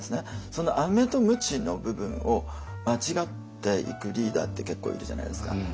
そのアメとムチの部分を間違っていくリーダーって結構いるじゃないですか。